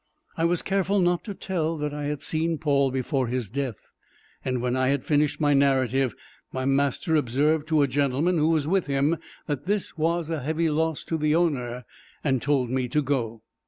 I was careful not to tell that I had seen Paul before his death; and when I had finished my narrative, my master observed to a gentleman who was with him, that this was a heavy loss to the owner, and told me to go.